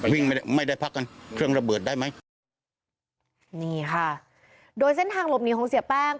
ไม่ได้ไม่ได้พักกันเครื่องระเบิดได้ไหมนี่ค่ะโดยเส้นทางหลบหนีของเสียแป้ง